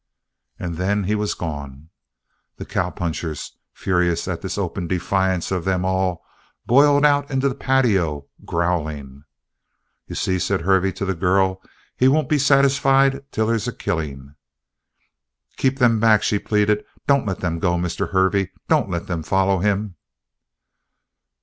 And then he was gone. The cowpunchers, furious at this open defiance of them all, boiled out into the patio, growling. "You see?" said Hervey to the girl. "He won't be satisfied till there's a killing!" "Keep them back!" she pleaded. "Don't let them go, Mr. Hervey. Don't let them follow him!"